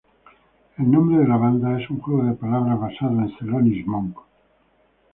El nombre de la banda es un juego de palabras basado en Thelonious Monk.